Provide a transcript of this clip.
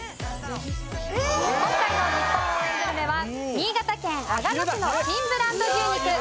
今回の日本応援グルメは新潟県阿賀野市の新ブランド牛肉あがの姫牛。